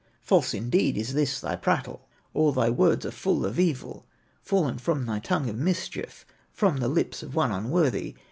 False indeed is this thy prattle, All thy words are full of evil, Fallen from thy tongue of mischief, From the lips of one unworthy.